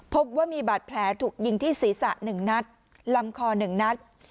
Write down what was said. พบว่ามีบาดแผลถูกยิงที่ศีรษะ๑นัดลำคอ๑นัด